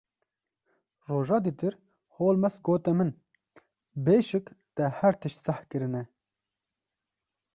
Roja dîtir Holmes gote min: Bêşik te her tişt seh kirine.